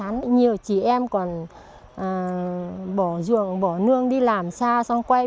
nhiều chị em còn bỏ ruộng bỏ nương đi làm xa xong quay